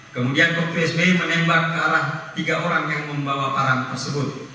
kemudian kop dua sb menembak ke arah tiga orang yang membawa parang tersebut